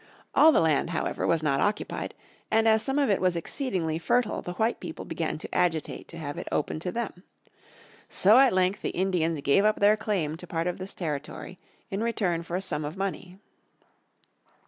All the land, however, was not occupied and as some of it was exceedingly fertile the white people began to agitate to have it opened to them. So at length the Indians gave up their claim to part of this territory in return for a sum of money.